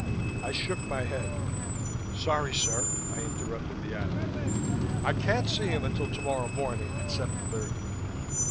I shook my head. "Sorry sir!" I interrupted the Admiral. "I can't see him until tomorrow morning at seven thirty."